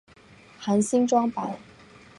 含新装版。